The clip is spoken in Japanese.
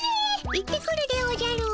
行ってくるでおじゃる。